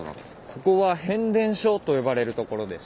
ここは変電所と呼ばれるところです。